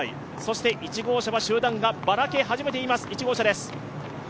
１号車は集団がばらけ始めています。